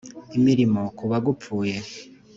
Imirimo k kuba gupfuye